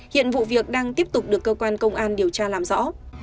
hiện vụ việc đang tiếp tục được cơ quan công an điều tra làm rõ